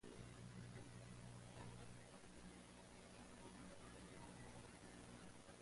Shortly afterwards, Union Station underwent a renovation.